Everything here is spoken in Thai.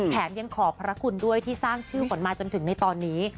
แถมยังขอบพระคุณด้วยที่สร้างชื่อฝนมาจนถึงในตอนนี้